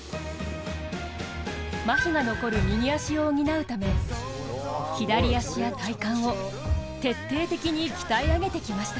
まひが残る右足を補うため、左足や体幹を徹底的に鍛え上げてきました。